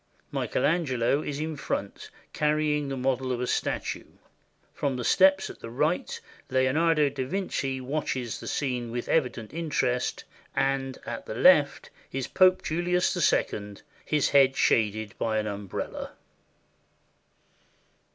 Michael Angelo is in front, carry ing the model of a statue. From the steps at the right Leo nardo da Vinci watches the scene with evident interest, and at the left is Pope Julius II, his head shaded by an umbrella.